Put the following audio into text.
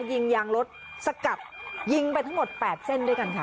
ยิงยางรถสกัดยิงไปทั้งหมด๘เส้นด้วยกันค่ะ